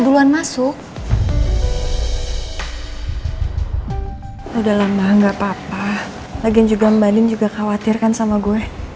lagian juga mbak din juga khawatir kan sama gue